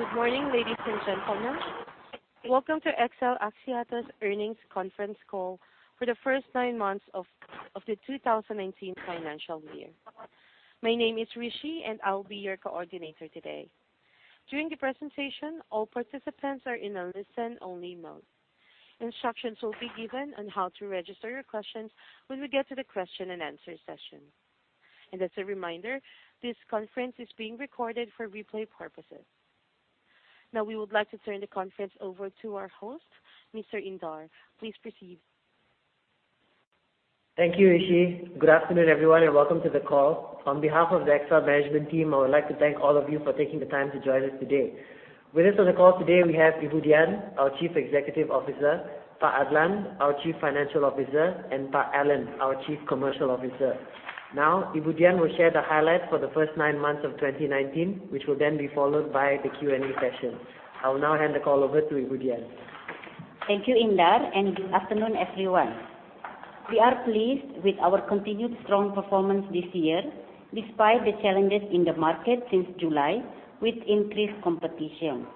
Good morning, ladies and gentlemen. Welcome to XL Axiata's earnings conference call for the first nine months of the 2019 financial year. My name is Rishi, and I'll be your coordinator today. During the presentation, all participants are in a listen-only mode. Instructions will be given on how to register your questions when we get to the question and answer session. As a reminder, this conference is being recorded for replay purposes. Now, we would like to turn the conference over to our host, Mr. Indar. Please proceed. Thank you, Rishi. Good afternoon, everyone, and welcome to the call. On behalf of the XL management team, I would like to thank all of you for taking the time to join us today. With us on the call today, we have Ibu Dian, our Chief Executive Officer, Pak Adlan, our Chief Financial Officer, and Pak Alan, our Chief Commercial Officer. Now, Ibu Dian will share the highlights for the first nine months of 2019, which will then be followed by the Q&A session. I will now hand the call over to Ibu Dian. Thank you, Indar, and good afternoon, everyone. We are pleased with our continued strong performance this year, despite the challenges in the market since July with increased competition.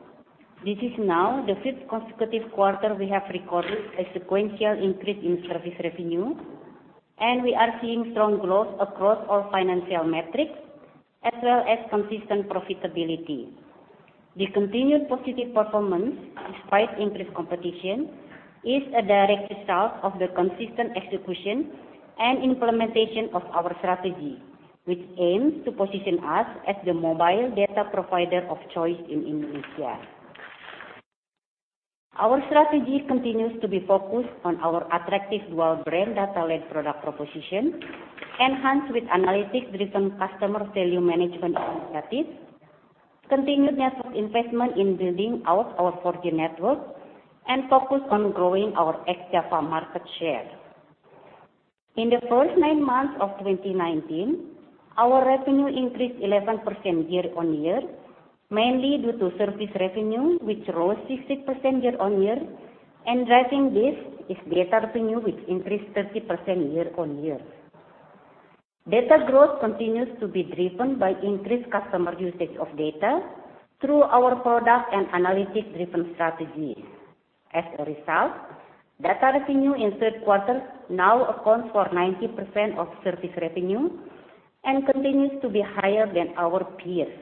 This is now the fifth consecutive quarter we have recorded a sequential increase in service revenue, and we are seeing strong growth across all financial metrics, as well as consistent profitability. The continued positive performance despite increased competition is a direct result of the consistent execution and implementation of our strategy, which aims to position us as the mobile data provider of choice in Indonesia. Our strategy continues to be focused on our attractive dual brand data-led product proposition, enhanced with analytics-driven customer value management initiatives, continued network investment in building out our 4G network, and focused on growing our ex-Java market share. In the first nine months of 2019, our revenue increased 11% year-on-year, mainly due to service revenue, which rose 16% year-on-year. Driving this is data revenue, which increased 30% year-on-year. Data growth continues to be driven by increased customer usage of data through our product and analytics-driven strategies. As a result, data revenue in third quarter now accounts for 90% of service revenue and continues to be higher than our peers,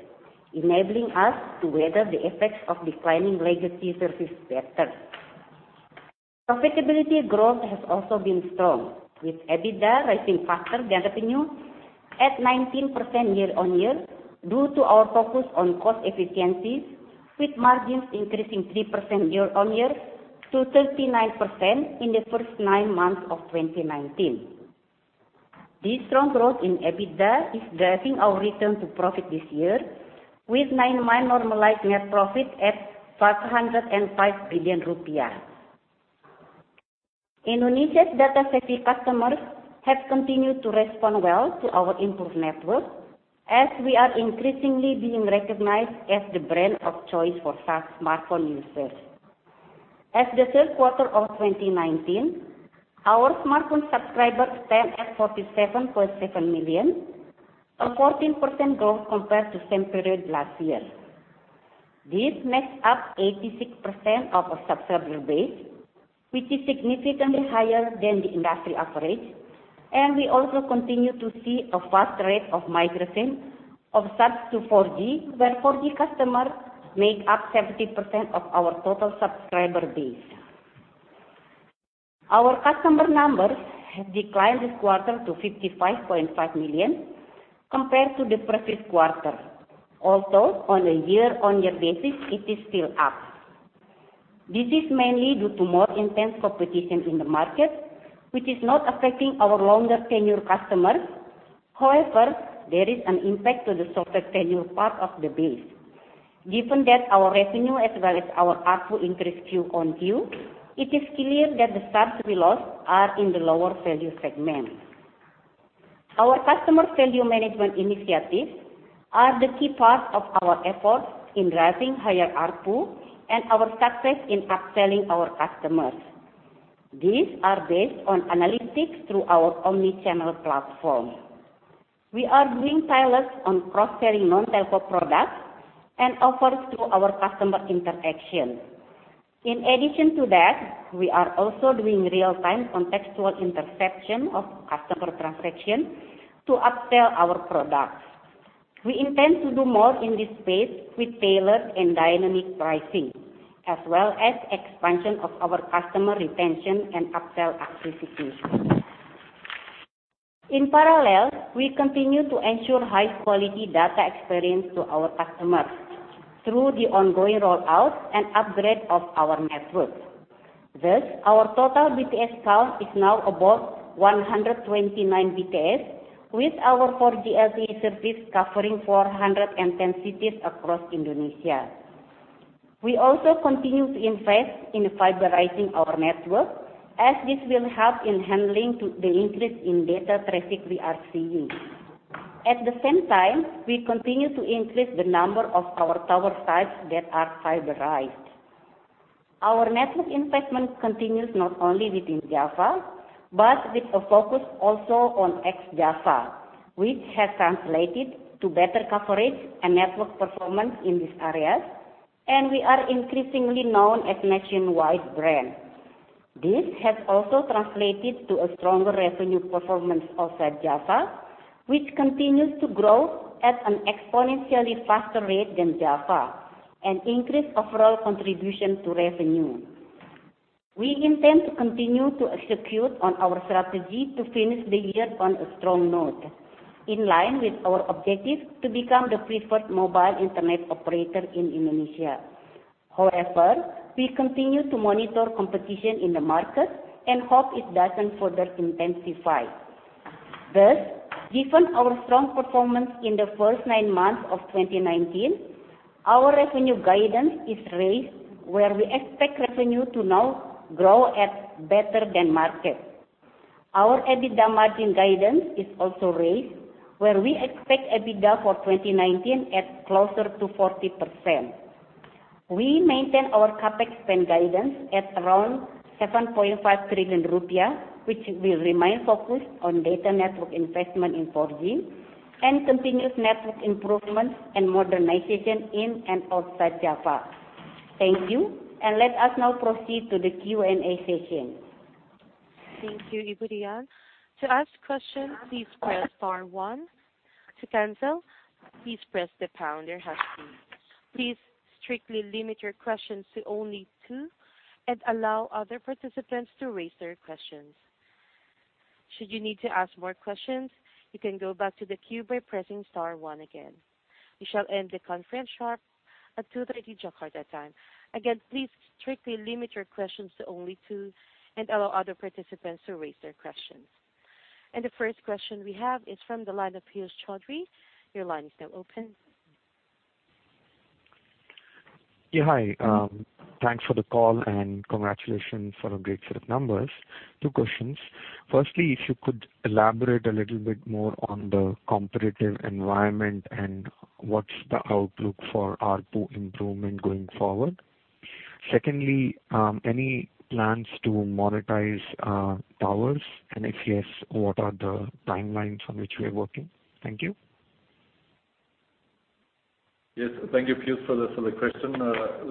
enabling us to weather the effects of declining legacy services better. Profitability growth has also been strong, with EBITDA rising faster than revenue at 19% year-on-year due to our focus on cost efficiencies, with margins increasing 3% year-on-year to 39% in the first nine months of 2019. This strong growth in EBITDA is driving our return to profit this year, with nine-month normalized net profit at 505 billion rupiah. Indonesia's data-savvy customers have continued to respond well to our improved network as we are increasingly being recognized as the brand of choice for smartphone users. As the third quarter of 2019, our smartphone subscribers stand at 47.7 million, a 14% growth compared to the same period last year. This makes up 86% of our subscriber base, which is significantly higher than the industry average. We also continue to see a fast rate of migration of subs to 4G, where 4G customers make up 70% of our total subscriber base. Our customer numbers have declined this quarter to 55.5 million compared to the previous quarter. On a year-over-year basis, it is still up. This is mainly due to more intense competition in the market, which is not affecting our longer tenure customers. However, there is an impact to the shorter tenure part of the base. Given that our revenue as well as our ARPU increased Q on Q, it is clear that the subs we lost are in the lower value segment. Our customer value management initiatives are the key part of our efforts in driving higher ARPU and our success in upselling our customers. These are based on analytics through our omnichannel platform. We are doing pilots on cross-selling non-telco products and offers through our customer interaction. In addition to that, we are also doing real-time contextual interception of customer transaction to upsell our products. We intend to do more in this space with tailored and dynamic pricing, as well as expansion of our customer retention and upsell activities. In parallel, we continue to ensure high-quality data experience to our customers through the ongoing rollout and upgrade of our network. Thus, our total BTS count is now above 129 BTS, with our 4G LTE service covering 410 cities across Indonesia. We also continue to invest in fiberizing our network as this will help in handling the increase in data traffic we are seeing. At the same time, we continue to increase the number of our tower sites that are fiberized. Our network investment continues not only within Java, but with a focus also on ex-Java, which has translated to better coverage and network performance in these areas, and we are increasingly known as nationwide brand. This has also translated to a stronger revenue performance outside Java, which continues to grow at an exponentially faster rate than Java, and increase overall contribution to revenue. We intend to continue to execute on our strategy to finish the year on a strong note, in line with our objective to become the preferred mobile internet operator in Indonesia. However, we continue to monitor competition in the market and hope it doesn't further intensify. Given our strong performance in the first nine months of 2019, our revenue guidance is raised, where we expect revenue to now grow at better than market. Our EBITDA margin guidance is also raised, where we expect EBITDA for 2019 at closer to 40%. We maintain our CapEx spend guidance at around 7.5 trillion rupiah, which will remain focused on data network investment in 4G and continuous network improvements and modernization in and outside Java. Thank you. Let us now proceed to the Q&A session. Thank you, Ibu Dian. To ask questions, please press star 1. To cancel, please press the pound or hash key. Please strictly limit your questions to only two and allow other participants to raise their questions. Should you need to ask more questions, you can go back to the queue by pressing star 1 again. We shall end the conference sharp at 2:30 P.M. Jakarta time. Again, please strictly limit your questions to only two and allow other participants to raise their questions. The first question we have is from the line of Piyush Choudhary. Your line is now open. Hi. Thanks for the call and congratulations for a great set of numbers. Two questions. Firstly, if you could elaborate a little bit more on the competitive environment and what's the outlook for ARPU improvement going forward. Secondly, any plans to monetize towers? If yes, what are the timelines on which we're working? Thank you. Yes. Thank you, Piyush, for the question.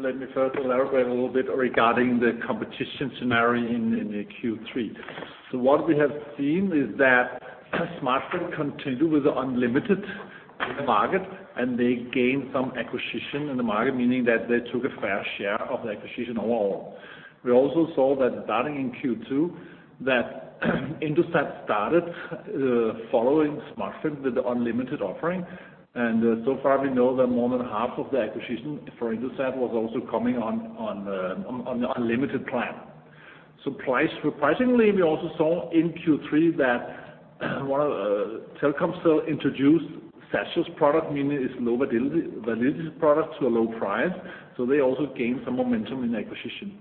Let me first elaborate a little bit regarding the competition scenario in the Q3. What we have seen is that Smartfren continue with the unlimited in the market, and they gain some acquisition in the market, meaning that they took a fair share of the acquisition overall. We also saw that starting in Q2, that Indosat started following Smartfren with the unlimited offering. So far, we know that more than half of the acquisition for Indosat was also coming on the unlimited plan. Surprisingly, we also saw in Q3 that Telkomsel introduced sachet product, meaning its low validity product to a low price, so they also gained some momentum in acquisition.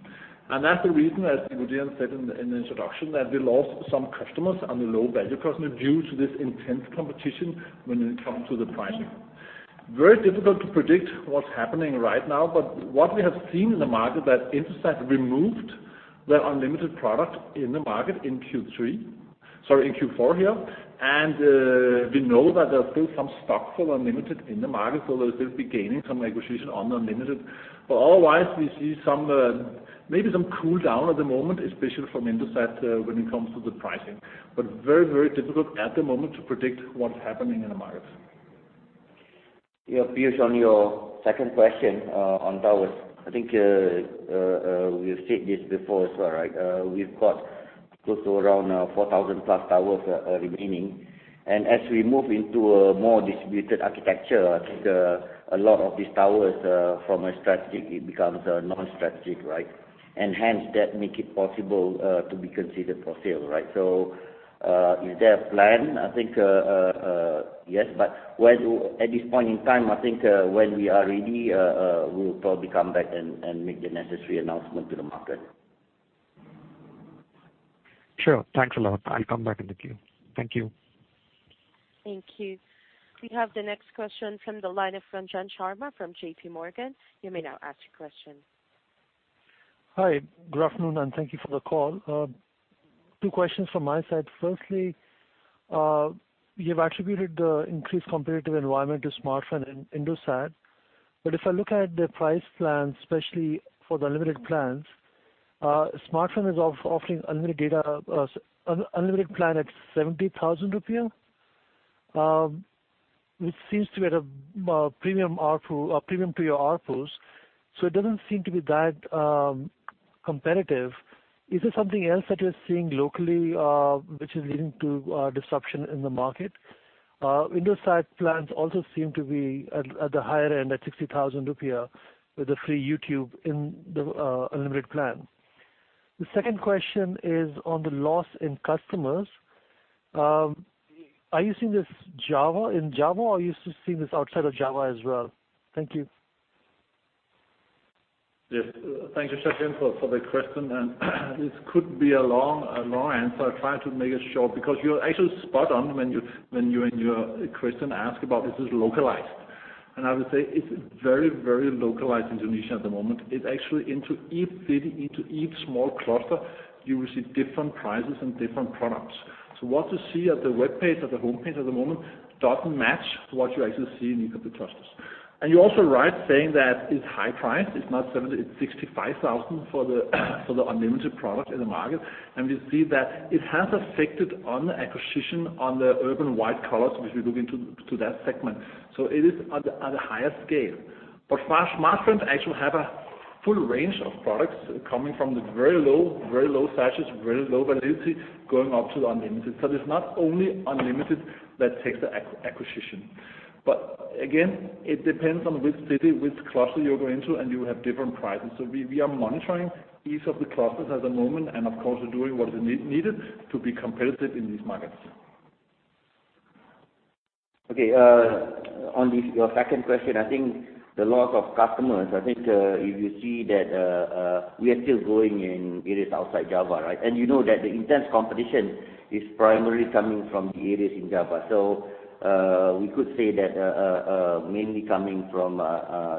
That's the reason, as Ibu Dian said in the introduction, that we lost some customers on the low-value customer due to this intense competition when it comes to the pricing. Very difficult to predict what's happening right now. What we have seen in the market that Indosat removed their unlimited product in the market in Q4 here. We know that there's still some stock for unlimited in the market, so they'll still be gaining some acquisition on unlimited. Otherwise, we see maybe some cool down at the moment, especially from Indosat when it comes to the pricing. Very difficult at the moment to predict what's happening in the market. Yeah, Piyush, on your second question on towers. I think we have said this before as well, right? We've got close to around 4,000 plus towers remaining. As we move into a more distributed architecture, I think a lot of these towers from a strategic, it becomes non-strategic, right? Hence that make it possible to be considered for sale, right? Is there a plan? I think yes, but at this point in time, I think when we are ready, we'll probably come back and make the necessary announcement to the market. Sure. Thanks a lot. I'll come back in the queue. Thank you. Thank you. We have the next question from the line of Ranjan Sharma from JP Morgan. You may now ask your question. Hi. Good afternoon, and thank you for the call. Two questions from my side. Firstly, you've attributed the increased competitive environment to Smartfren and Indosat. If I look at the price plan, especially for the unlimited plans, Smartfren is offering unlimited plan at 70,000 rupiah, which seems to be at a premium to your ARPUs. It doesn't seem to be that competitive. Is there something else that you're seeing locally, which is leading to disruption in the market? Indosat plans also seem to be at the higher end, at 60,000 rupiah with a free YouTube in the unlimited plan. The second question is on the loss in customers. Are you seeing this in Java or are you seeing this outside of Java as well? Thank you. Yes. Thank you, Ranjan, for the question. This could be a long answer. I'll try to make it short because you're actually spot on when you in your question ask about this is localized. I would say it's very localized in Indonesia at the moment. It actually into each city, into each small cluster, you will see different prices and different products. What you see at the webpage, at the homepage at the moment, doesn't match to what you actually see in each of the clusters. You're also right saying that it's high priced. It's not 70, it's 65,000 for the unlimited product in the market, and we see that it has affected on the acquisition on the urban white collars, which we look into that segment. It is at a higher scale. Smartfren actually have a full range of products coming from the very low sachets, very low validity, going up to the unlimited. It is not only unlimited that takes the acquisition. Again, it depends on which city, which cluster you go into, and you have different prices. We are monitoring each of the clusters at the moment, and of course, we're doing what is needed to be competitive in these markets. Okay. On your second question, I think the loss of customers, if you see that we are still growing in areas outside Java, right? You know that the intense competition is primarily coming from the areas in Java. We could say that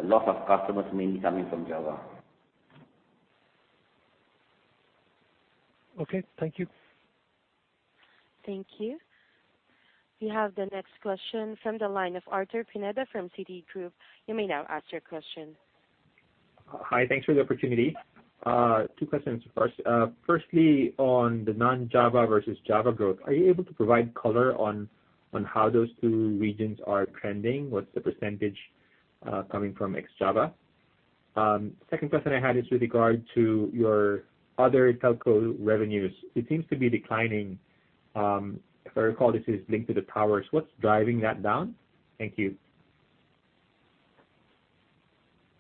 loss of customers mainly coming from Java. Okay. Thank you. Thank you. We have the next question from the line of Arthur Pineda from CIMB Group. You may now ask your question. Hi. Thanks for the opportunity. Two questions. First, on the non-Java versus Java growth, are you able to provide color on how those two regions are trending? What's the % coming from ex-Java? Second question I had is with regard to your other telco revenues. It seems to be declining. If I recall, this is linked to the towers. What's driving that down? Thank you.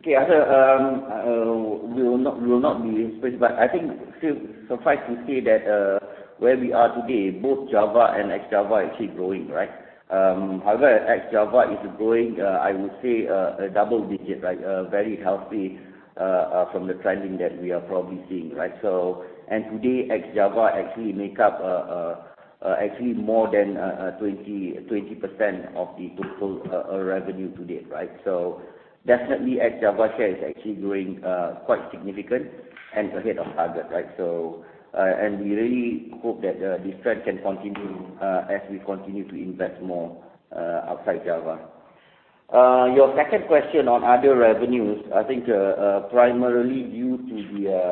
Okay, Arthur. We will not be in space, but I think suffice to say that where we are today, both Java and ex-Java are actually growing, right? However, ex-Java is growing, I would say, a double-digit. Very healthy from the trending that we are probably seeing, right? Today, ex-Java actually make up actually more than 20% of the total revenue to date, right? Definitely, ex-Java share is actually growing quite significant and ahead of target, right? We really hope that this trend can continue as we continue to invest more outside Java. Your second question on other revenues, I think, primarily due to the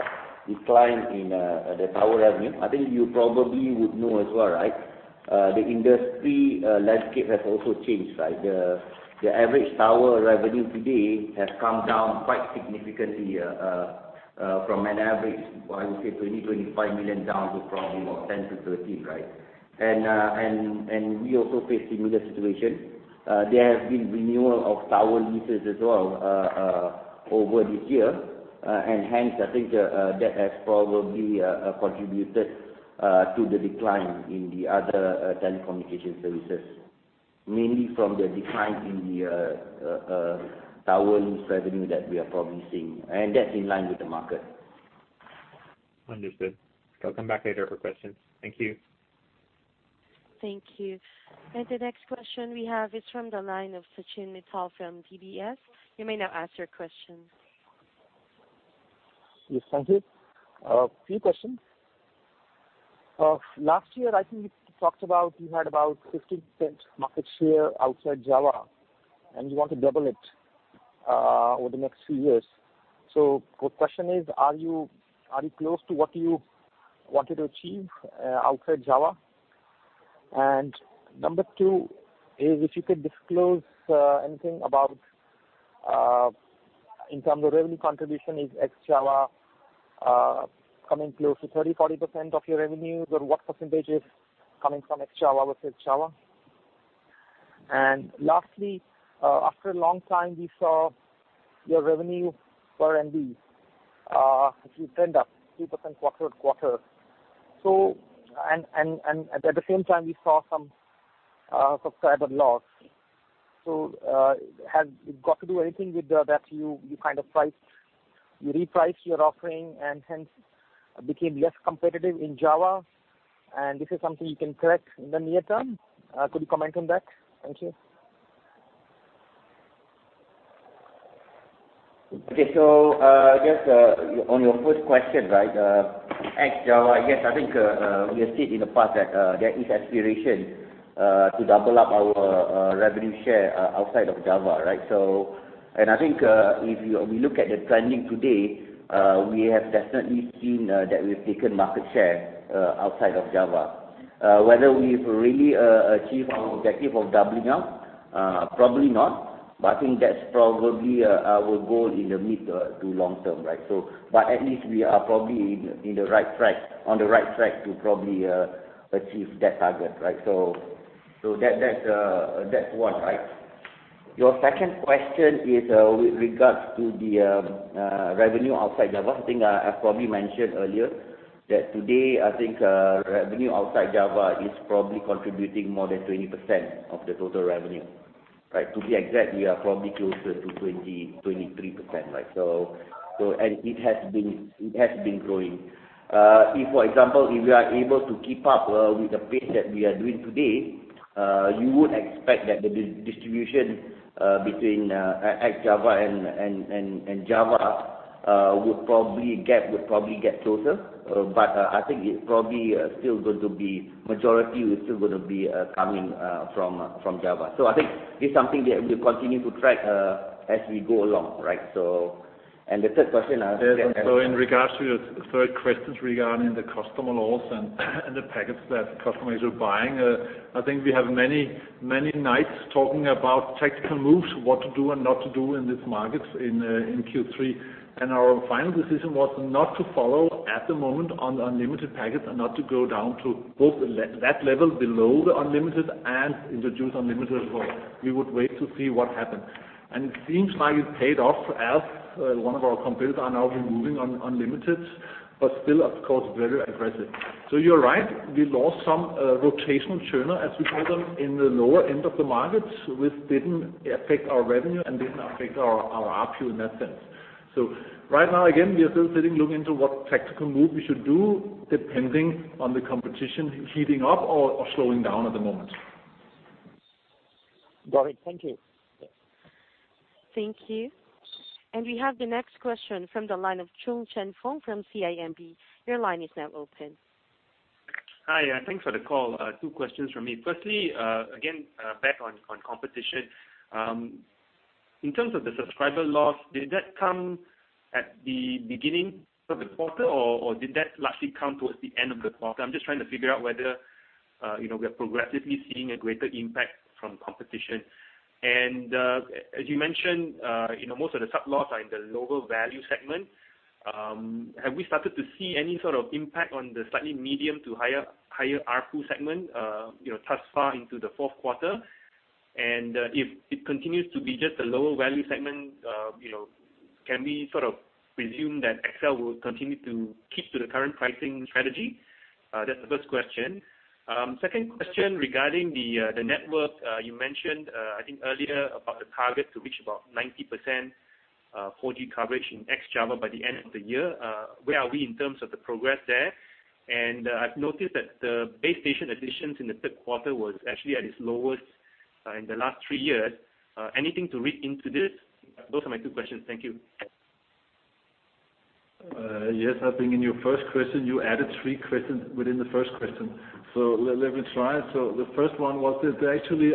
decline in the tower revenue. I think you probably would know as well, right? The industry landscape has also changed, right? The average tower revenue today has come down quite significantly from an average, I would say 20 million-25 million down to probably about 10-13, right? We also face similar situation. There have been renewal of tower leases as well over this year. Hence, I think that has probably contributed to the decline in the other telecommunication services, mainly from the decline in the tower lease revenue that we are probably seeing. That's in line with the market. Understood. I'll come back later for questions. Thank you. Thank you. The next question we have is from the line of Sachin Mittal from DBS. You may now ask your question. Yes. Thank you. Few questions. Last year, I think you talked about, you had about 15% market share outside Java, and you want to double it over the next few years. The question is, are you close to what you wanted to achieve outside Java? Number 2 is if you could disclose anything about, in terms of revenue contribution, is ex-Java coming close to 30%-40% of your revenues, or what percentage is coming from ex-Java versus Java? Lastly, after a long time, we saw your revenue per ARPU actually trend up 2% quarter-over-quarter. At the same time, we saw some subscriber loss. Has it got to do anything with that you reprice your offering and hence became less competitive in Java? This is something you can correct in the near term. Could you comment on that? Thank you. I guess, on your first question, right? Ex-Java, yes, I think, we have said in the past that there is aspiration to double up our revenue share outside of Java, right? I think, if we look at the trending today, we have definitely seen that we've taken market share outside of Java. Whether we've really achieved our objective of doubling up, probably not. I think that's probably our goal in the mid to long term, right? At least we are probably on the right track to probably achieve that target, right? That's one, right? Your second question is with regards to the revenue outside Java. I think I probably mentioned earlier that today, I think, revenue outside Java is probably contributing more than 20% of the total revenue, right? To be exact, we are probably closer to 23%. It has been growing. If, for example, we are able to keep up with the pace that we are doing today, you would expect that the distribution between XL Java and Java would probably get closer. I think majority is still going to be coming from Java. I think this is something that we'll continue to track as we go along. The third question, [other than]? In regards to your third question regarding the customer loss and the packets that customers are buying, I think we have many nights talking about tactical moves, what to do and not to do in these markets in Q3. Our final decision was not to follow at the moment on the unlimited packets and not to go down to both that level below the unlimited and introduce unlimited as well. We would wait to see what happened. It seems like it paid off as one of our competitors are now removing unlimited, but still, of course, very aggressive. You're right, we lost some rotational churner, as we call them, in the lower end of the markets, which didn't affect our revenue and didn't affect our ARPU in that sense. Right now, again, we are still sitting looking into what tactical move we should do, depending on the competition heating up or slowing down at the moment. Got it. Thank you. Thank you. We have the next question from the line of Choong Chen Foong from CIMB. Your line is now open. Hi, thanks for the call. Two questions from me. Firstly, again, back on competition. In terms of the subscriber loss, did that come at the beginning of the quarter, or did that largely come towards the end of the quarter? I'm just trying to figure out whether we're progressively seeing a greater impact from competition. As you mentioned, most of the sub loss are in the lower value segment. Have we started to see any sort of impact on the slightly medium to higher ARPU segment thus far into the fourth quarter? If it continues to be just the lower value segment, can we sort of presume that XL will continue to keep to the current pricing strategy? That's the first question. Second question regarding the network. You mentioned, I think earlier, about the target to reach about 90% 4G coverage in ex-Java by the end of the year. Where are we in terms of the progress there? I've noticed that the base station additions in the third quarter was actually at its lowest in the last three years. Anything to read into this? Those are my two questions. Thank you. Yes, I think in your first question, you added three questions within the first question. Let me try. The first one was, did they actually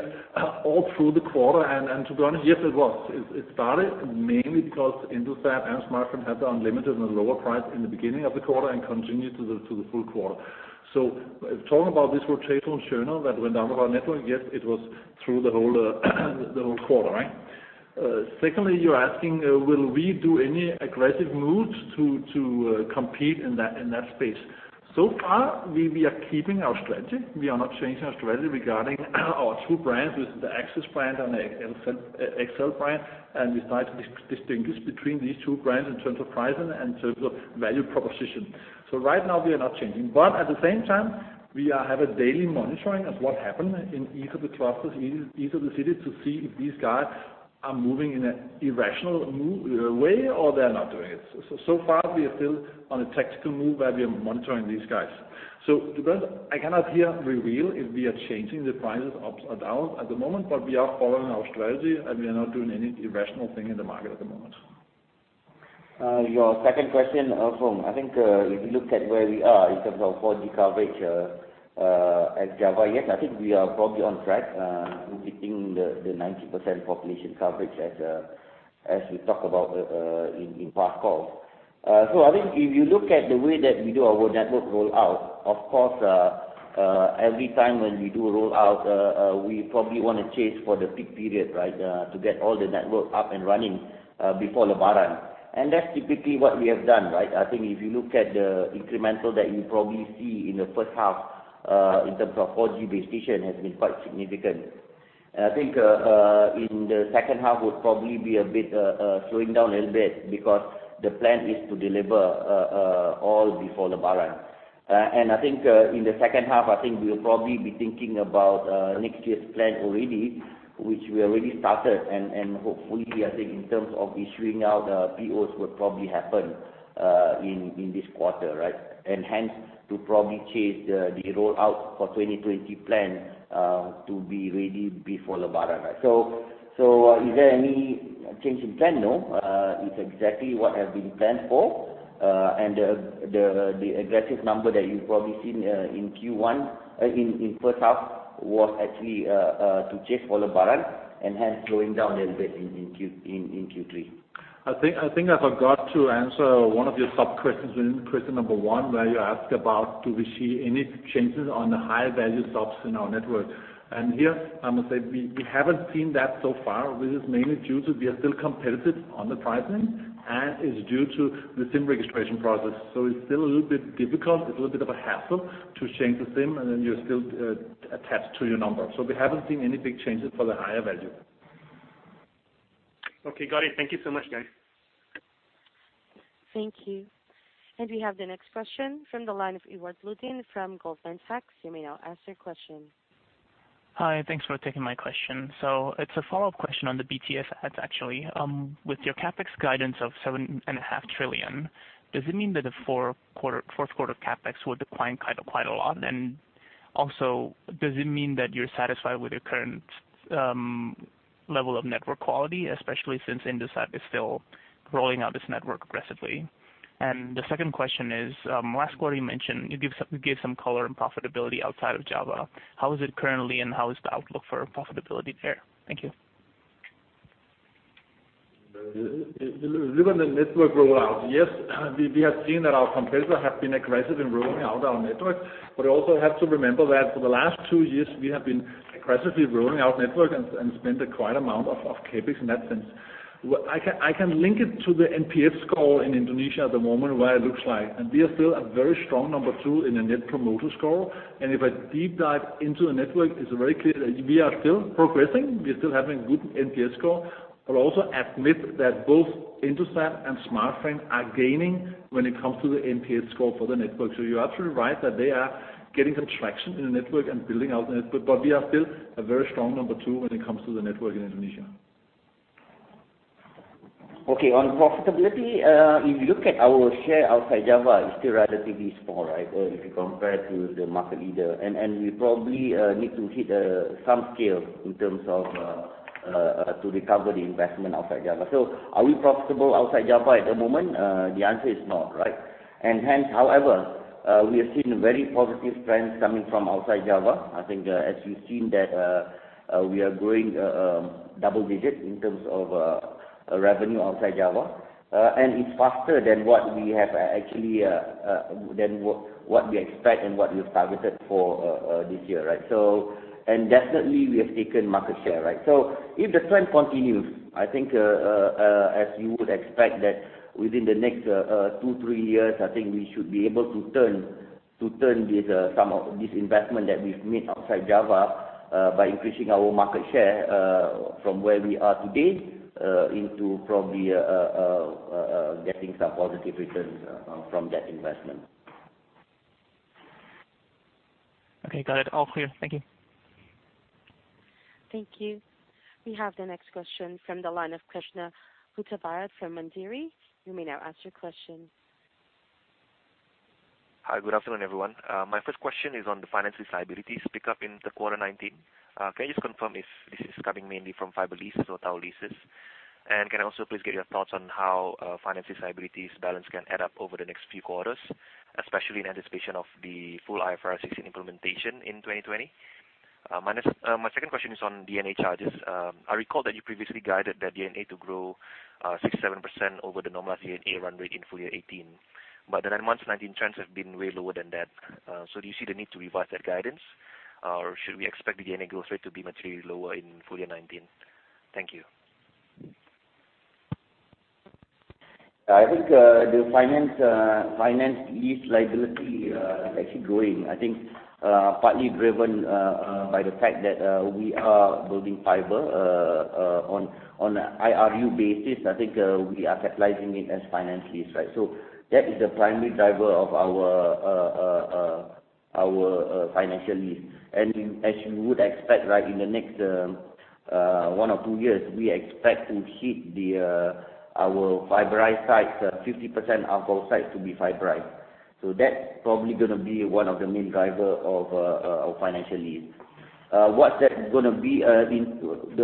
all through the quarter? To be honest, yes, it was. It started mainly because Indosat and Smartfren had the unlimited and the lower price in the beginning of the quarter and continued to the full quarter. Talking about this rotational churner that went down on our network, yes, it was through the whole quarter. Secondly, you're asking will we do any aggressive moves to compete in that space. Far, we are keeping our strategy. We are not changing our strategy regarding our two brands, which is the Axis brand and XL brand, and we try to distinguish between these two brands in terms of pricing and in terms of value proposition. Right now, we are not changing. At the same time, we have a daily monitoring of what happened in each of the clusters, each of the cities, to see if these guys are moving in an irrational way or they are not doing it. Far, we are still on a tactical move where we are monitoring these guys. To be honest, I cannot here reveal if we are changing the prices up or down at the moment, but we are following our strategy, and we are not doing any irrational thing in the market at the moment. Your second question, Foong. I think if you look at where we are in terms of 4G coverage at Java, yes, I think we are probably on track in hitting the 90% population coverage as we talked about in past calls. I think if you look at the way that we do our network rollout, of course, every time when we do a rollout, we probably want to chase for the peak period to get all the network up and running before Lebaran. That's typically what we have done. I think if you look at the incremental that you probably see in the first half in terms of 4G base station has been quite significant. I think in the second half would probably be slowing down a little bit because the plan is to deliver all before Lebaran. I think in the second half, I think we'll probably be thinking about next year's plan already, which we already started, and hopefully, I think in terms of issuing out POs would probably happen in this quarter. Hence to probably chase the rollout for 2020 plan to be ready before Lebaran. Is there any change in plan? No. It's exactly what have been planned for. The aggressive number that you've probably seen in first half was actually to chase for Lebaran, and hence slowing down a little bit in Q3. I think I forgot to answer one of your sub-questions within question number one, where you asked about do we see any changes on the higher value subs in our network. Here, I must say we haven't seen that so far, which is mainly due to we are still competitive on the pricing and is due to the SIM registration process. It's still a little bit difficult, it's a little bit of a hassle to change the SIM, and then you're still attached to your number. We haven't seen any big changes for the higher value. Okay, got it. Thank you so much, guys. Thank you. We have the next question from the line of Ivar Luiten from Goldman Sachs. You may now ask your question. Hi, thanks for taking my question. It's a follow-up question on the BTS adds actually. With your CapEx guidance of seven and a half trillion, does it mean that the fourth quarter CapEx would decline quite a lot? Also, does it mean that you're satisfied with your current level of network quality, especially since Indosat is still rolling out its network aggressively? The second question is, last quarter you mentioned you gave some color on profitability outside of Java. How is it currently, and how is the outlook for profitability there? Thank you. Regarding the network rollout, yes, we have seen that our competitors have been aggressive in rolling out our network. We also have to remember that for the last two years, we have been aggressively rolling out network and spent a quite amount of CapEx in that sense. I can link it to the NPS score in Indonesia at the moment, where it looks like, and we are still a very strong number two in the net promoter score. If I deep dive into the network, it's very clear that we are still progressing. We are still having good NPS score, but also admit that both Indosat and Smartfren are gaining when it comes to the NPS score for the network. You are absolutely right that they are getting some traction in the network and building out network, but we are still a very strong number two when it comes to the network in Indonesia. On profitability, if you look at our share outside Java, it's still relatively small. If you compare to the market leader, we probably need to hit some scale in terms of to recover the investment outside Java. Are we profitable outside Java at the moment? The answer is not. Hence, however, we have seen very positive trends coming from outside Java. I think, as you've seen that we are growing double digits in terms of revenue outside Java. It's faster than what we expect and what we've targeted for this year. Definitely we have taken market share. If the trend continues, I think, as you would expect that within the next two, three years, I think we should be able to turn some of this investment that we've made outside Java, by increasing our market share, from where we are today, into probably getting some positive returns from that investment. Okay. Got it. All clear. Thank you. Thank you. We have the next question from the line of Kresna Hutabarat from Mandiri. You may now ask your question. Hi. Good afternoon, everyone. My first question is on the finance liabilities pick up in the quarter 2019. Can you just confirm if this is coming mainly from fiber leases or tower leases? Can I also please get your thoughts on how finance liabilities balance can add up over the next few quarters, especially in anticipation of the full IFRS 16 implementation in 2020? My second question is on D&A charges. I recall that you previously guided that D&A to grow 67% over the normal D&A run rate in full year 2018. The nine months 2019 trends have been way lower than that. Do you see the need to revise that guidance, or should we expect the D&A growth rate to be materially lower in full year 2019? Thank you. I think the finance lease liability is actually growing. I think partly driven by the fact that we are building fiber on an IRU basis. I think we are capitalizing it as finance lease. That is the primary driver of our financial lease. As you would expect, in the next one or two years, we expect to hit our fiberized sites, 50% of all sites to be fiberized. That's probably going to be one of the main driver of financial lease. The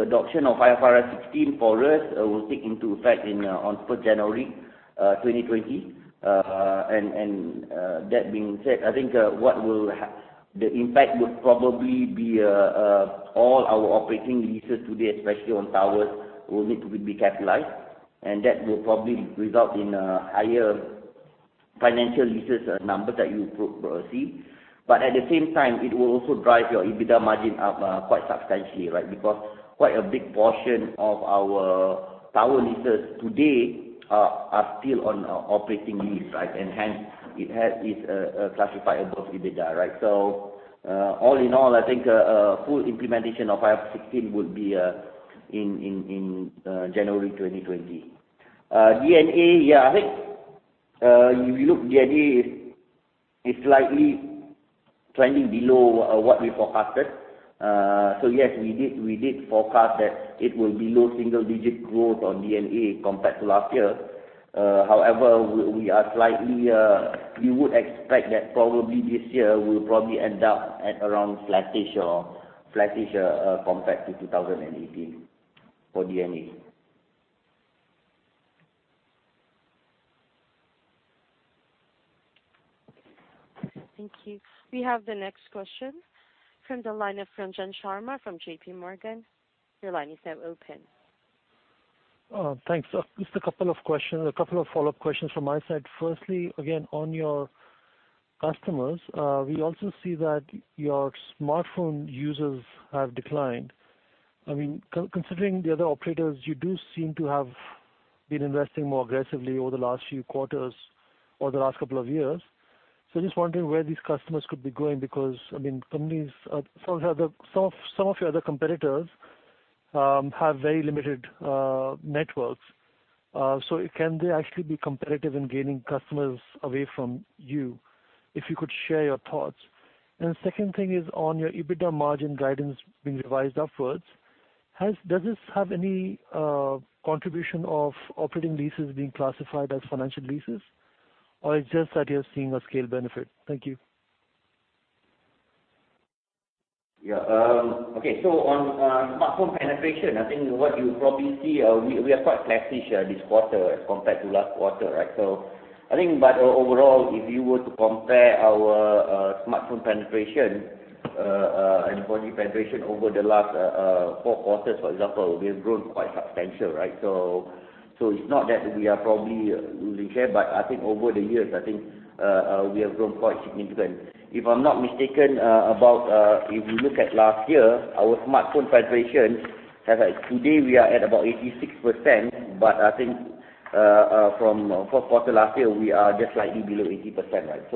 adoption of IFRS 16 for us will take into effect on 1st January 2020. That being said, I think the impact would probably be all our operating leases today, especially on towers, will need to be capitalized, and that will probably result in a higher financial leases number that you see. At the same time, it will also drive your EBITDA margin up quite substantially. Quite a big portion of our tower leases today are still on operating lease. Hence it is classifiable as EBITDA. All in all, I think a full implementation of IFRS 16 would be in January 2020. D&A, I think if you look D&A is slightly trending below what we forecasted. Yes, we did forecast that it will be low single-digit growth on D&A compared to last year. We would expect that probably this year will probably end up at around flat-ish compared to 2018 for D&A. Thank you. We have the next question from the line of Ranjan Sharma from JP Morgan. Your line is now open. Thanks. Just a couple of follow-up questions from my side. Firstly, again, on your customers, we also see that your smartphone users have declined. Considering the other operators, you do seem to have been investing more aggressively over the last few quarters or the last couple of years. I'm just wondering where these customers could be going, because some of your other competitors have very limited networks. Can they actually be competitive in gaining customers away from you? If you could share your thoughts. The second thing is on your EBITDA margin guidance being revised upwards. Does this have any contribution of operating leases being classified as financial leases? It's just that you're seeing a scale benefit? Thank you. Okay. On smartphone penetration, I think what you probably see, we are quite sluggish this quarter compared to last quarter, right. Overall, if you were to compare our smartphone penetration and 4G penetration over the last four quarters, for example, we have grown quite substantial, right. It's not that we are probably losing share, but I think over the years, I think we have grown quite significant. If I'm not mistaken, if we look at last year, our smartphone penetration, today, we are at about 86%, but I think from fourth quarter last year, we are just slightly below 80%, right.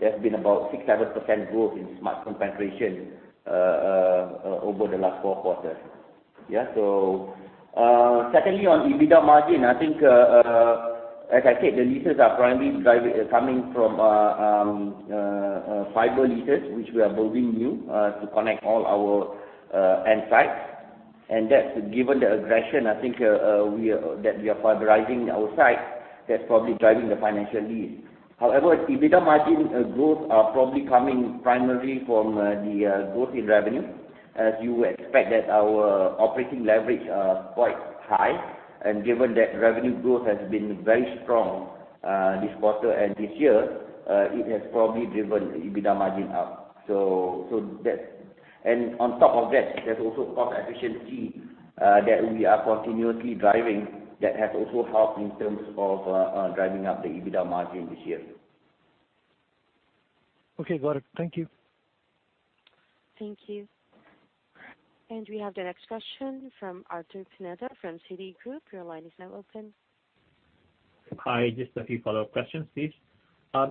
There's been about six, 7% growth in smartphone penetration over the last four quarters. Secondly, on EBITDA margin, I think, as I said, the leases are primarily coming from fiber leases, which we are building new, to connect all our end sites. That's given the aggression, I think, that we are fiberizing our sites, that's probably driving the financial lease. However, EBITDA margin growth are probably coming primarily from the growth in revenue, as you would expect that our operating leverage are quite high. Given that revenue growth has been very strong this quarter and this year, it has probably driven EBITDA margin up. On top of that, there's also cost efficiency that we are continuously driving that has also helped in terms of driving up the EBITDA margin this year. Okay, got it. Thank you. Thank you. And we have the next question from Arthur Pineda from Citigroup. Your line is now open. Hi, just a few follow-up questions, please.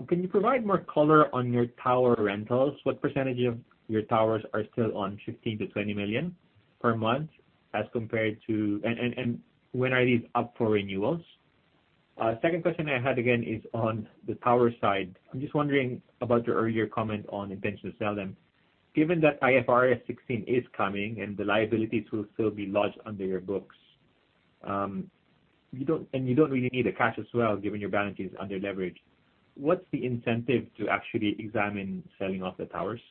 Can you provide more color on your tower rentals? What percentage of your towers are still on 15 million to 20 million per month as compared to? When are these up for renewals? Second question I had again is on the tower side. I'm just wondering about your earlier comment on intention to sell them. Given that IFRS 16 is coming and the liabilities will still be lodged under your books, and you don't really need the cash as well, given your balance sheet is under leverage, what's the incentive to actually examine selling off the towers?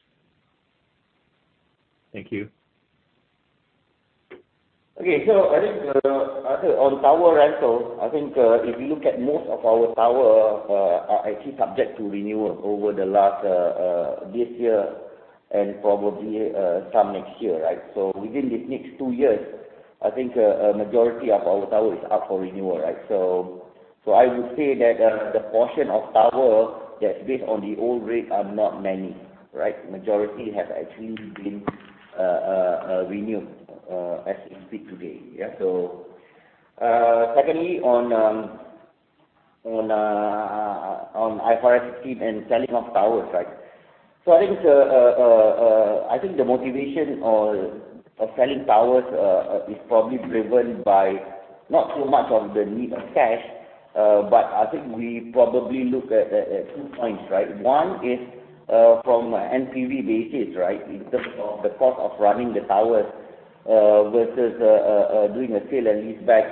Thank you. Okay. I think, Arthur, on tower rentals, I think, if you look at most of our tower, are actually subject to renewal over this year and probably some next year, right? Within this next two years, I think a majority of our tower is up for renewal, right? I would say that the portion of tower that's based on the old rate are not many, right? Majority have actually been renewed as we speak today. Yeah, secondly on IFRS 16 and selling off towers, right. I think the motivation of selling towers is probably driven by not so much of the need of cash, but I think we probably look at two points, right? One is from NPV basis, right? In terms of the cost of running the towers versus doing a sale and lease back,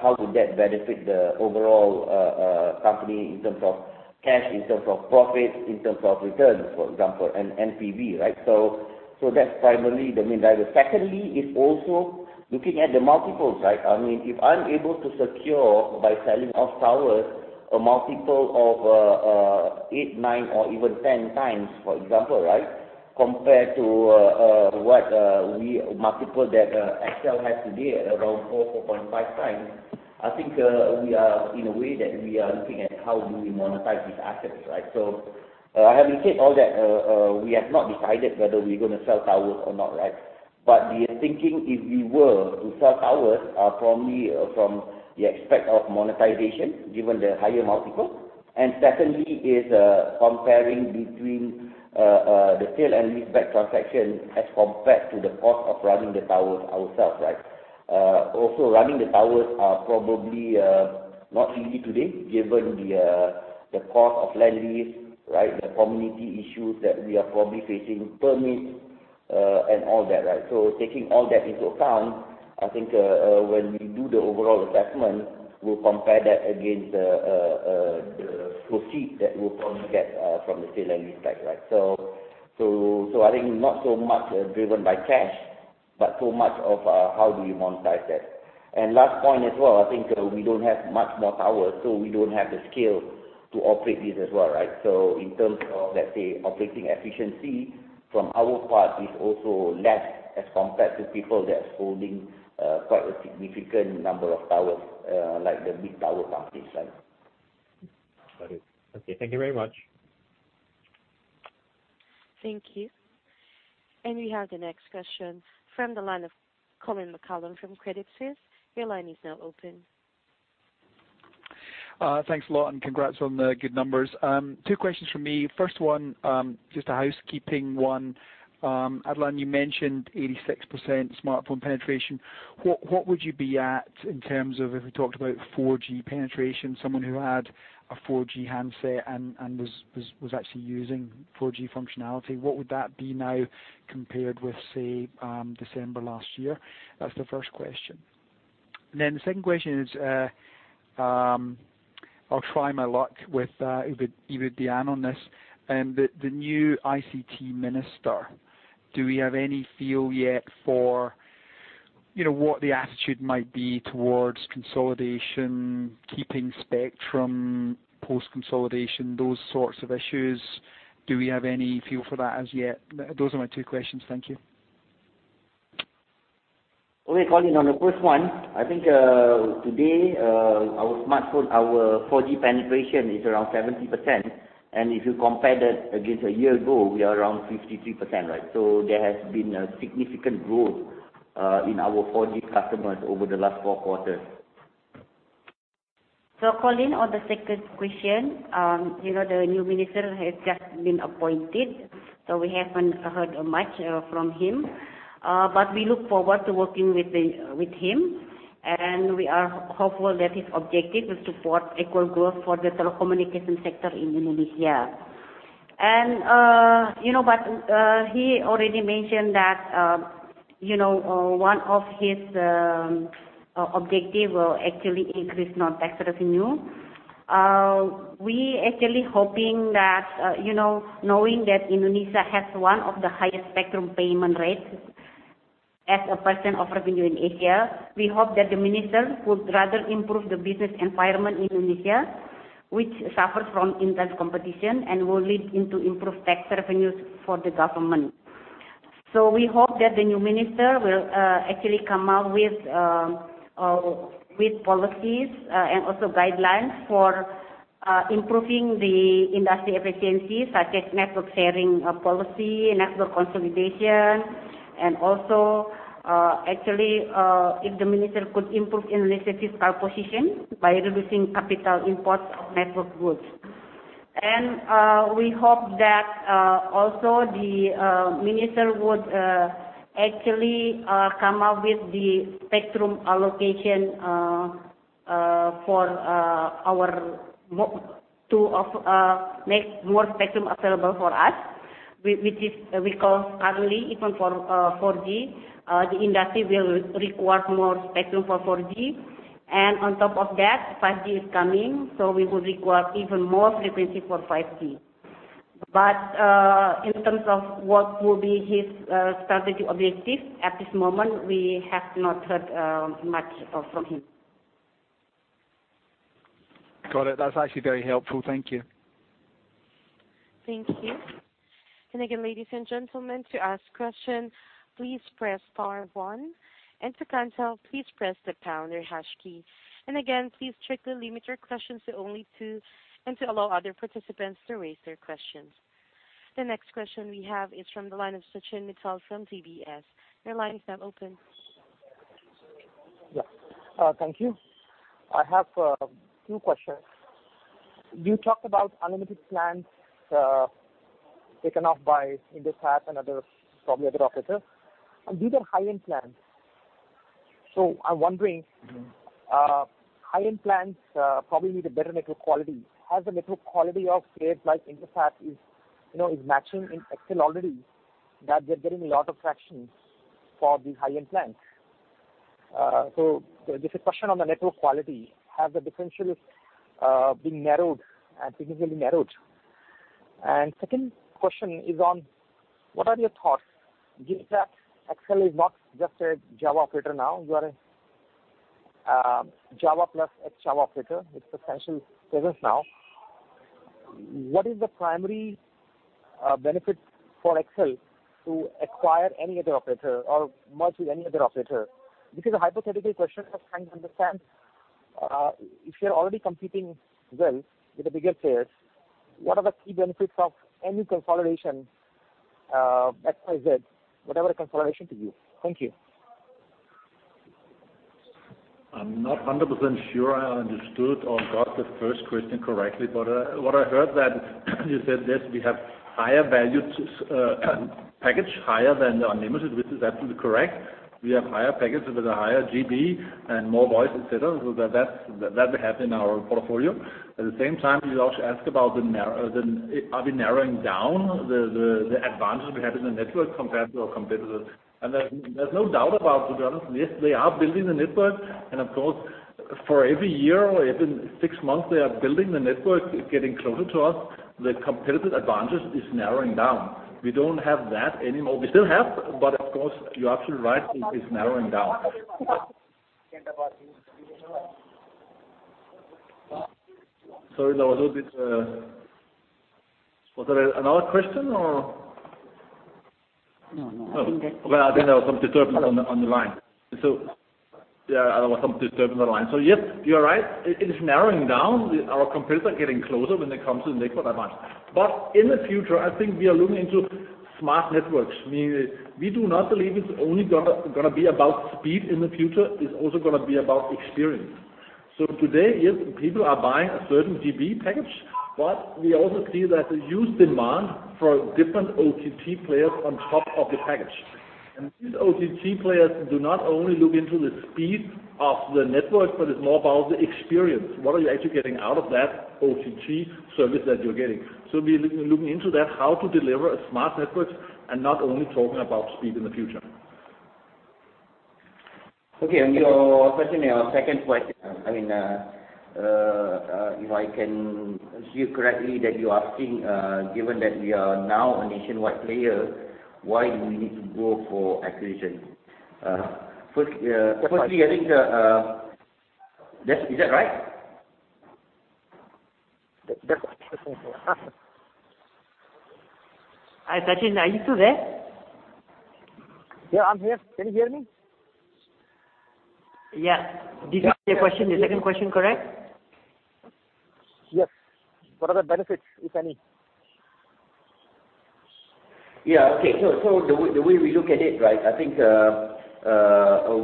how would that benefit the overall company in terms of cash, in terms of profit, in terms of returns, for example, and NPV, right? That's primarily the main driver. Secondly, is also looking at the multiples, right? If I'm able to secure by selling off towers a multiple of eight, nine or even 10 times, for example, right, compared to what multiple that Axiata has today at around four, 4.5 times, I think in a way that we are looking at how do we monetize these assets, right? Having said all that, we have not decided whether we're going to sell towers or not, right? The thinking if we were to sell towers are probably from the aspect of monetization, given the higher multiple, and secondly is comparing between the sale and lease back transaction as compared to the cost of running the towers ourselves, right? Running the towers are probably not easy today, given the cost of land lease, right, the community issues that we are probably facing, permits, and all that, right? Taking all that into account, I think when we do the overall assessment, we'll compare that against the proceeds that we'll probably get from the sale and lease back, right? I think not so much driven by cash, but so much of how do we monetize that. Last point as well, I think we don't have much more towers, so we don't have the scale to operate these as well, right? In terms of, let's say, operating efficiency from our part is also less as compared to people that's holding quite a significant number of towers, like the big tower companies, right? Got it. Okay, thank you very much. Thank you. We have the next question from the line of Colin McCallum from Credit Suisse. Your line is now open. Thanks a lot. Congrats on the good numbers. Two questions from me. First one, just a housekeeping one. Adlan, you mentioned 86% smartphone penetration. What would you be at in terms of if we talked about 4G penetration, someone who had a 4G handset and was actually using 4G functionality, what would that be now compared with, say, December last year? That's the first question. The second question is, I'll try my luck with either Dian on this, the new ICT minister, do we have any feel yet for what the attitude might be towards consolidation, keeping spectrum post-consolidation, those sorts of issues. Do we have any feel for that as yet? Those are my two questions. Thank you. Colin, on the first one, I think today, our smartphone, our 4G penetration is around 70%, and if you compare that against a year ago, we are around 53%, right? There has been a significant growth in our 4G customers over the last four quarters. Colin, on the second question, the new minister has just been appointed, so we haven't heard much from him. We look forward to working with him, and we are hopeful that his objective will support equal growth for the telecommunication sector in Indonesia. He already mentioned that one of his objective will actually increase non-tax revenue. We actually hoping that, knowing that Indonesia has one of the highest spectrum payment rates as a % of revenue in Asia, we hope that the minister would rather improve the business environment in Indonesia, which suffers from intense competition and will lead into improved tax revenues for the government. We hope that the new minister will actually come out with policies and also guidelines for improving the industry efficiency, such as network sharing policy, network consolidation, and also actually, if the minister could improve Indonesia's fiscal position by reducing capital imports of network goods. We hope that, also, the minister would actually come up with the spectrum allocation to make more spectrum available for us, because currently, even for 4G, the industry will require more spectrum for 4G. On top of that, 5G is coming, so we would require even more frequency for 5G. In terms of what will be his strategic objective, at this moment, we have not heard much from him. Got it. That's actually very helpful. Thank you. Thank you. Again, ladies and gentlemen, to ask a question, please press star one, and to cancel, please press the pound or hash key. Again, please strictly limit your questions to only two, and to allow other participants to raise their questions. The next question we have is from the line of Sachin Mittal from DBS. Your line is now open. Yeah. Thank you. I have two questions. You talked about unlimited plans taken up by Indosat and probably other operators. These are high-end plans. I'm wondering, high-end plans probably need a better network quality. Has the network quality of players like Indosat is matching in XL already that they're getting a lot of traction for these high-end plans? This is a question on the network quality. Have the differentials been narrowed and significantly narrowed? Second question is on, what are your thoughts given that XL is not just a Java operator now, you are a Java plus ex-Java operator with substantial presence now. What is the primary benefit for XL to acquire any other operator or merge with any other operator? This is a hypothetical question. I'm trying to understand. If you're already competing well with the bigger players, what are the key benefits of any consolidation X, Y, Z, whatever consolidation to you? Thank you. I'm not 100% sure I understood or got the first question correctly, but what I heard that you said this, we have higher value package, higher than the unlimited, which is absolutely correct. We have higher packages with a higher GB and more voice, et cetera. That we have in our portfolio. At the same time, you also asked about are we narrowing down the advantage we have in the network compared to our competitors. There's no doubt about, to be honest, yes, they are building the network, and of course, for every year or every six months, they are building the network, getting closer to us. The competitive advantage is narrowing down. We don't have that anymore. We still have, but of course, you're absolutely right, it is narrowing down. Was there another question or? No, I think. Okay. I think there was some disturbance on the line. Yes, you are right. It is narrowing down. Our competitor getting closer when it comes to network advantage. In the future, I think we are looking into smart networks, meaning that we do not believe it's only gonna be about speed in the future, it's also gonna be about experience. Today, yes, people are buying a certain GB package, but we also see that a huge demand for different OTT players on top of the package. These OTT players do not only look into the speed of the network, but it's more about the experience. What are you actually getting out of that OTT service that you're getting? We are looking into that, how to deliver a smart network and not only talking about speed in the future. Okay. On your second question, if I can assume correctly that you're asking, given that we are now a nationwide player, why do we need to go for acquisition? Firstly, I think. Is that right? Hi, Sachin. Are you still there? Yeah, I'm here. Can you hear me? Yeah. This was your question, the second question, correct? Yes. What are the benefits, if any? Yeah. Okay. The way we look at it, I think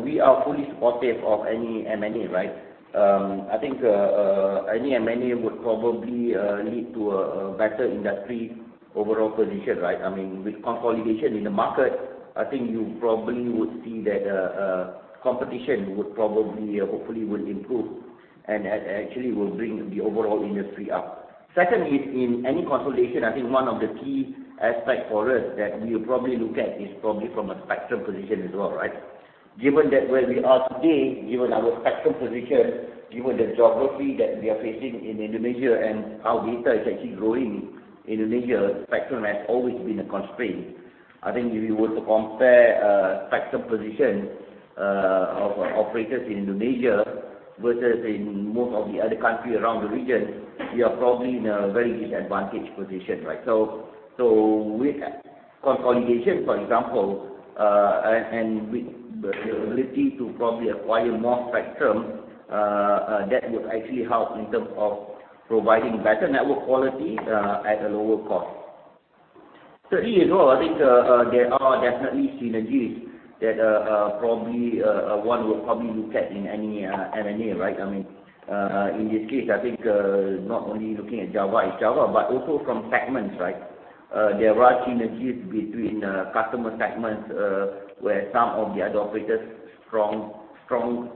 we are fully supportive of any M&A, right? I think any M&A would probably lead to a better industry overall position, right? With consolidation in the market, I think you probably would see that competition hopefully will improve and actually will bring the overall industry up. Second is in any consolidation, I think one of the key aspects for us that we will probably look at is probably from a spectrum position as well, right? Given that where we are today, given our spectrum position, given the geography that we are facing in Indonesia and how data is actually growing Indonesia, spectrum has always been a constraint. I think if you were to compare spectrum position of operators in Indonesia versus in most of the other country around the region, we are probably in a very disadvantaged position, right? With consolidation, for example, and with the ability to probably acquire more spectrum, that would actually help in term of providing better network quality at a lower cost. Thirdly as well, I think there are definitely synergies that one would probably look at in any M&A, right? In this case, I think, not only looking at Java is Java, but also from segments, right? There are synergies between customer segments, where some of the other operators strong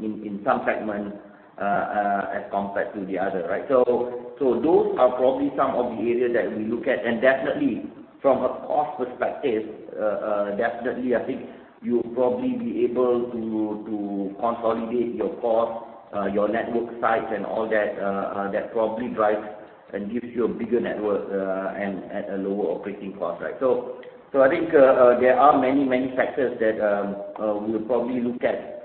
in some segments as compared to the other, right? Those are probably some of the areas that we look at, and definitely from a cost perspective, definitely, I think you'll probably be able to consolidate your cost, your network sites, and all that probably drives and gives you a bigger network and at a lower operating cost, right? I think there are many factors that we would probably look at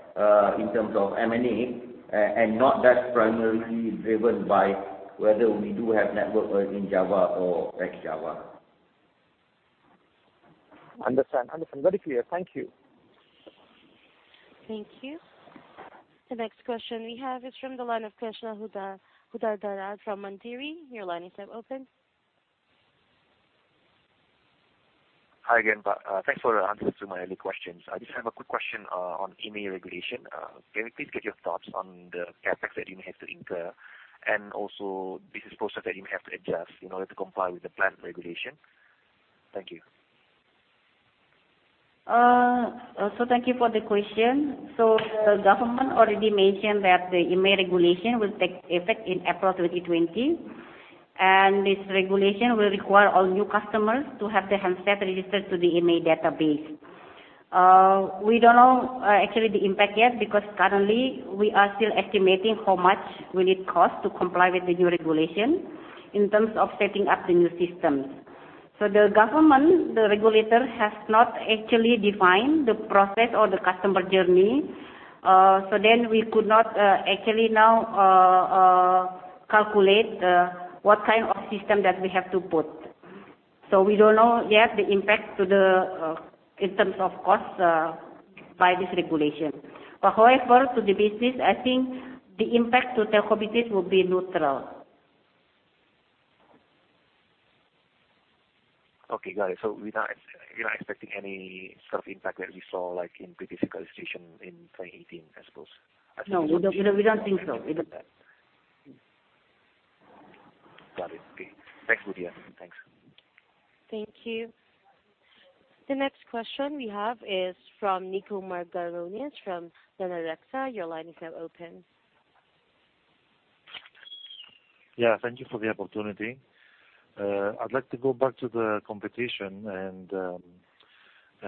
in terms of M&A, and not that primarily driven by whether we do have network in Java or ex-Java. Understand. Very clear. Thank you. Thank you. The next question we have is from the line of Kresna Hutabarat from Mandiri. Your line is now open. Hi again. Thanks for answering my earlier questions. I just have a quick question on IMEI regulation. Can we please get your thoughts on the CapEx that you may have to incur and also business process that you may have to adjust in order to comply with the planned regulation? Thank you. Thank you for the question. The government already mentioned that the IMEI regulation will take effect in April 2020, and this regulation will require all new customers to have their handset registered to the IMEI database. We don't know actually the impact yet because currently we are still estimating how much will it cost to comply with the new regulation in terms of setting up the new system. The government, the regulator, has not actually defined the process or the customer journey. We could not actually now calculate what kind of system that we have to put. We don't know yet the impact in terms of cost by this regulation. However, to the business, I think the impact to Telco business will be neutral. Okay. Got it. We're not expecting any sort of impact that we saw like in previous regulation in 2018, I suppose. No, we don't think so. We don't. Got it. Okay. Thanks, Bu Dian. Thanks. Thank you. The next question we have is from Niko Margaronis from Danareksa. Your line is now open. Yeah. Thank you for the opportunity. I'd like to go back to the competition and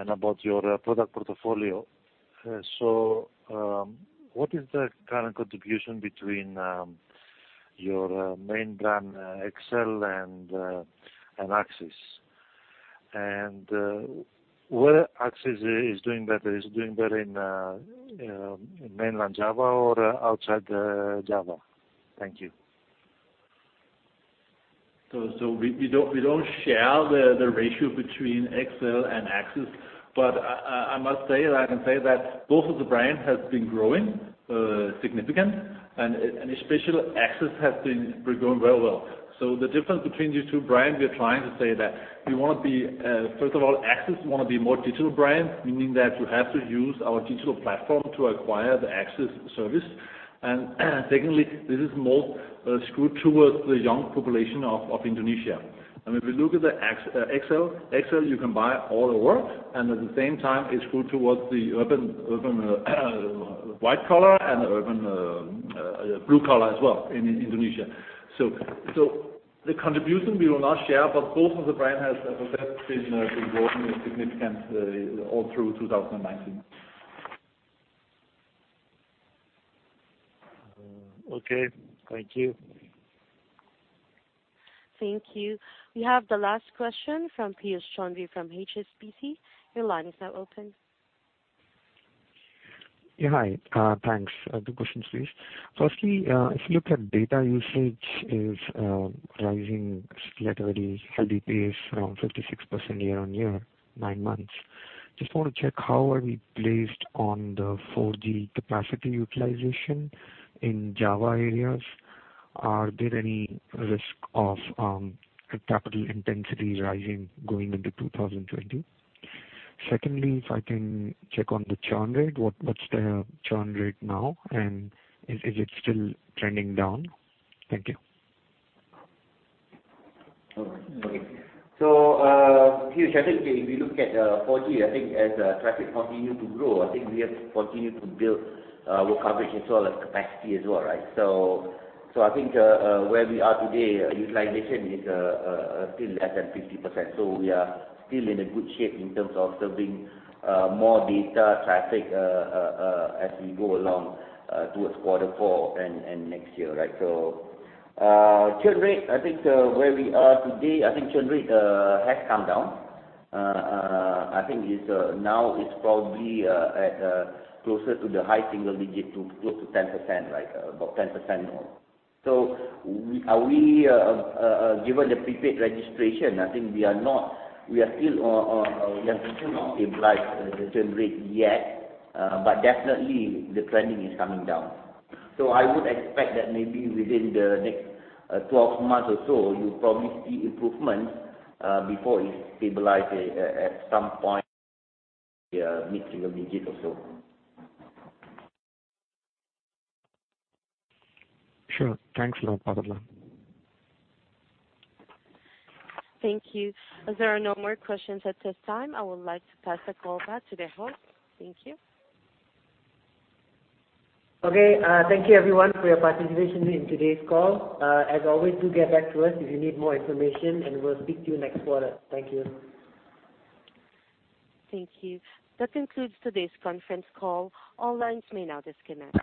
about your product portfolio. What is the current contribution between your main brand, XL, and Axis? Where Axis is doing better? Is doing better in mainland Java or outside Java? Thank you. We don't share the ratio between XL and Axis, but I must say that I can say that both of the brands have been growing significantly, and especially Axis has been growing very well. The difference between these two brands, we are trying to say that first of all, Axis we want to be more digital brand, meaning that you have to use our digital platform to acquire the Axis service. Secondly, this is more skewed towards the young population of Indonesia. If you look at XL you can buy all the work and at the same time it's skewed towards the urban white collar and urban blue collar as well in Indonesia. The contribution we will not share, but both of the brands have definitely been growing significantly all through 2019. Okay. Thank you. Thank you. We have the last question from Piyush Choudhary from HSBC. Your line is now open. Yeah. Hi, thanks. Two questions, please. Firstly, if you look at data usage is rising at a very healthy pace, around 56% year-on-year, nine months. Just want to check how are we placed on the 4G capacity utilization in Java areas? Are there any risk of capital intensity rising going into 2020? Secondly, if I can check on the churn rate, what's the churn rate now, and is it still trending down? Thank you. All right. Okay. Piyush, I think if you look at 4G, I think as traffic continue to grow, I think we have continued to build our coverage as well as capacity as well, right? I think where we are today, utilization is still less than 50%. We are still in a good shape in terms of serving more data traffic as we go along towards quarter four and next year, right? Churn rate, I think where we are today, I think churn rate has come down. I think now it's probably closer to the high single digit to close to 10%, right? About 10% or more. Given the prepaid registration, I think we are still not able to apply the churn rate yet. Definitely the trending is coming down. I would expect that maybe within the next 12 months or so, you'll probably see improvement before it stabilizes at some point, yeah, mid-single digit or so. Sure. Thanks a lot. [inaudible] Thank you. As there are no more questions at this time, I would like to pass the call back to the host. Thank you. Okay. Thank you everyone for your participation in today's call. As always, do get back to us if you need more information, and we'll speak to you next quarter. Thank you. Thank you. That concludes today's conference call. All lines may now disconnect.